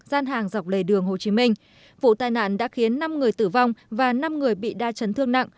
gian hàng dọc lề đường hồ chí minh vụ tai nạn đã khiến năm người tử vong và năm người bị đa chấn thương nặng